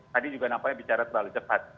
tadi juga nampaknya bicara terlalu cepat